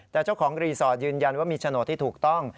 แต่เจ้าของรีสอร์ทยืนยันว่ามีโฉนดที่ถูกต้อง